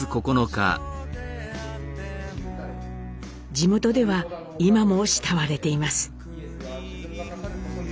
地元では今も慕われています。